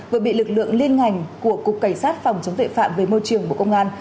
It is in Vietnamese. vừa bị lực lượng liên ngành của cục cảnh sát phòng chống tuệ phạm về môi trường bộ công an